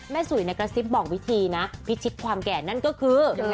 สุยกระซิบบอกวิธีนะพิชิตความแก่นั่นก็คือ